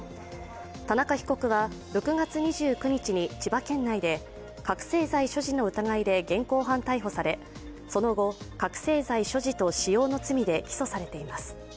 田中被告は６月２９日に千葉県内で覚醒剤所持の疑いで現行犯逮捕されその後、覚醒剤所持と使用の罪で起訴されています。